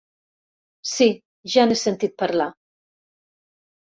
Sí, ja n'he sentit parlar.